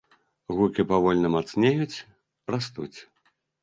Гукі павольна мацнеюць, растуць.